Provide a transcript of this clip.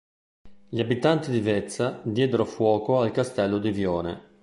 Gli abitanti di Vezza diedero fuoco al castello di Vione.